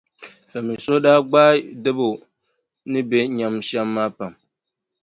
Femi suhu daa gbaai Debo ni be nyam shɛm maa pam.